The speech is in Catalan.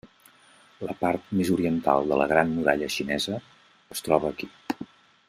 La part més oriental de la Gran Muralla xinesa es troba aquí.